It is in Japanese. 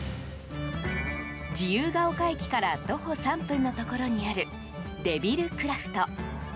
自由が丘駅から徒歩３分のところにあるデビルクラフト。